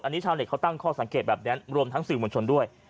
อันนี้ชาวเน็ตเขาตั้งข้อสังเกตแบบนั้นรวมทั้งสื่อมวลชนด้วย